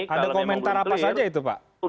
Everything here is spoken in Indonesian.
kalau memang belum clear